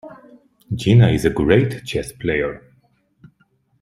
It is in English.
Gina is a great chess player.